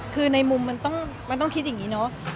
คือในมุมมันต้องคิดอย่างนี้เนอะ